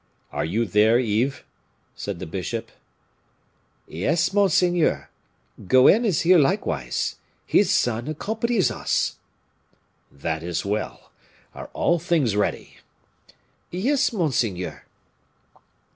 "Are you there, Yves?" said the bishop. "Yes, monseigneur; Goenne is here likewise. His son accompanies us." "That is well. Are all things ready?" "Yes, monseigneur."